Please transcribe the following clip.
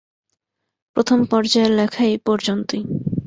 প্রথম পর্যায়ের লেখা এই পর্যন্তই।